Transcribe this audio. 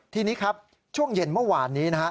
ทีนี้ครับช่วงเย็นเมื่อวานนี้นะฮะ